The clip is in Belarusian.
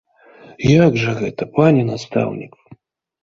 Як жа гэта, пане настаўнік?